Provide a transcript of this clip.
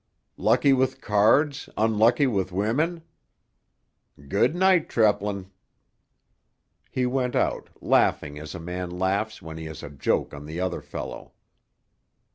'Lucky with cards, unlucky with women.' Good night, Treplin." He went out, laughing as a man laughs when he has a joke on the other fellow.